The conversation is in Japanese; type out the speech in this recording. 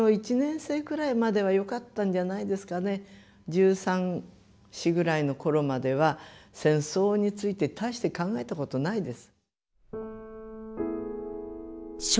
１３１４ぐらいの頃までは戦争について大して考えたことないです。